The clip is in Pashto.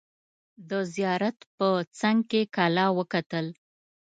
د زیارت په څنګ کې کلا وکتل.